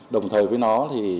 đồng thời với nó